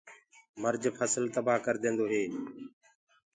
مرج ڦسل تبآه ڪرديندو هي۔